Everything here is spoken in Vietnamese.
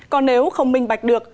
còn nếu không minh bạch được